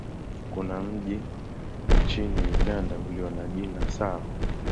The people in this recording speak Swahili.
Kuna mji nchini Uganda ulio na jina sawa.